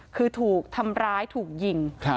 คือถูกทำร้ายถูกยิง